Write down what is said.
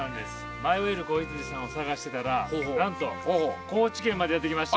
迷える子羊さんを探してたらなんと高知県までやって来ました。